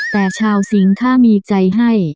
แต่ชาวสิงถ้ามีใจให้